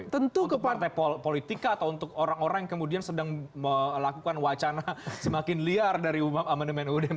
tentu ke partai politika atau untuk orang orang yang kemudian sedang melakukan wacana semakin liar dari amandemen uud empat puluh